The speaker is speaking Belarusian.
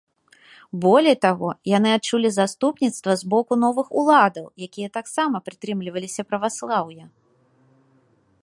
Болей таго, яны адчулі заступніцтва з боку новых уладаў, якія таксама прытрымліваліся праваслаўя.